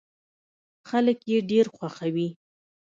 خلک يې ډېر خوښوي.